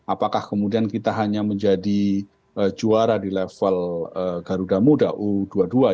apakah kemudian kita hanya menjadi juara di level garuda muda u dua puluh dua ya under dua puluh dua